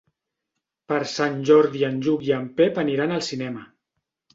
Per Sant Jordi en Lluc i en Pep aniran al cinema.